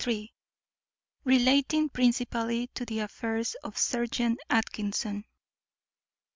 _Relating principally to the affairs of serjeant Atkinson.